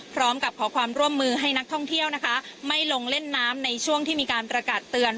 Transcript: พร้อมกับขอความร่วมมือให้นักท่องเที่ยวนะคะไม่ลงเล่นน้ำในช่วงที่มีการประกาศเตือน